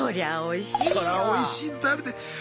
そらおいしいの食べて。